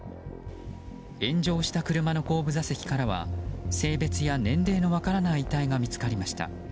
炎上した車の後部座席からは性別や年齢が分からない遺体が見つかりました。